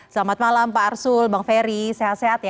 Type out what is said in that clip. selamat malam pak arsul bang ferry sehat sehat ya